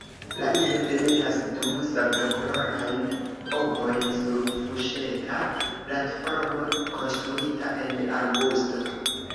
La ino demetas du sablokolorajn ovojn sur fuŝeta platformo konstruita en arbusto.